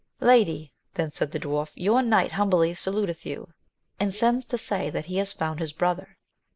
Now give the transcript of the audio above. Lady, then said the dwarf, your knight humbly saluteth you, and sends to say that he has found his brother.